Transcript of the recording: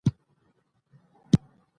• اړیکې پراخې شوې.